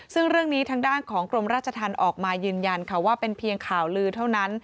ซึ่งเรื่องนี้ทางด้านของกรมราชธรรมออกมายืนยันค่ะว่าเป็นเพียงข่าวลือเท่านั้น